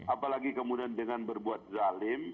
apalagi kemudian dengan berbuat zalim